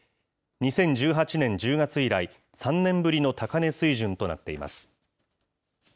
２０１８年１０月以来３年ぶりの高値水準となっています。